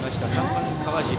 ３番、川尻。